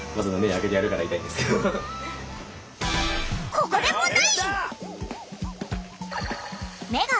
ここで問題！